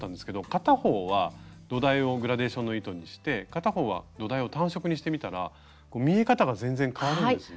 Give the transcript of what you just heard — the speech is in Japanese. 片方は土台をグラデーションの糸にして片方は土台を単色にしてみたら見え方が全然変わるんですね。